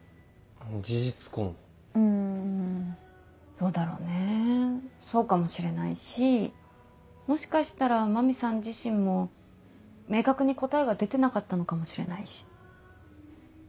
どうだろうねそうかもしれないしもしかしたら麻美さん自身も明確に答えが出てなかったのかもしれないし。